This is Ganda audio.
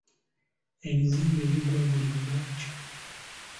Ebizimbe bigwa buli lukya.